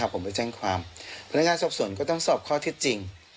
พนักงานสงส่วนก็ต้องสอบข้อทิศจริง